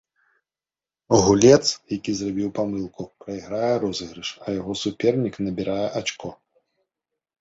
Гулец, які зрабіў памылку, прайграе розыгрыш, а яго супернік набірае ачко.